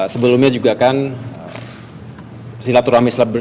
sebelumnya juga kami menjalankan ini